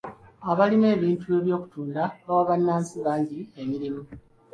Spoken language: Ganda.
Abalima ebintu by'okutunda bawa bannansi bangi emirimu.